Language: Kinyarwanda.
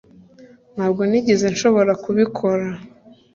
Ntabwo nigeze nshobora kubikora